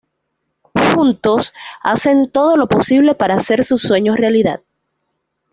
Juntos, hacen todo lo posible para hacer sus sueños realidad.